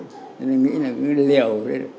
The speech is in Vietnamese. nó bỏ rồi nên nghĩ là cứ liều